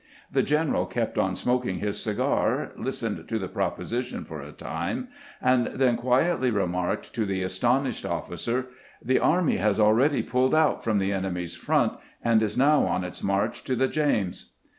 The general kept on smoking his cigar, listened to the proposition for a time, and then quietly remarked to the astonished officer: "The army has already pulled out from the 196 CAMPAIGNING WITH GRANT enemy's front, and is now on its march to the James."